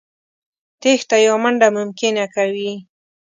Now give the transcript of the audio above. تېښته يا منډه ممکنه کوي.